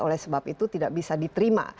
oleh sebab itu tidak bisa diterima